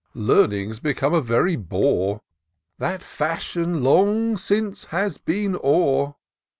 Learning's become a very bore ; That Cushion long since has been o'er.